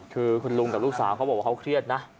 คือคุณลุงกับลูกสาวเขาบอกว่าเขาเครียดนะ